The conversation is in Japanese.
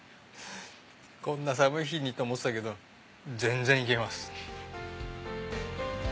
こんな寒い日にと思ってたけど全然行けます。